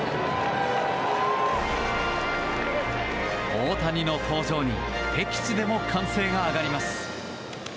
大谷の登場に敵地でも歓声が上がります。